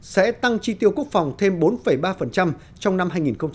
sẽ tăng chi tiêu quốc phòng thêm bốn ba trong năm hai nghìn một mươi bảy